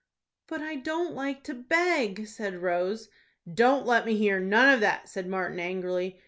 "But I don't like to beg," said Rose. "Don't let me hear none of that," said Martin, angrily.